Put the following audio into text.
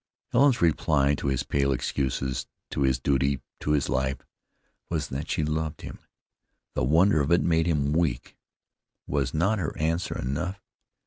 Helen's reply to his pale excuses, to his duty, to his life, was that she loved him. The wonder of it made him weak. Was not her answer enough?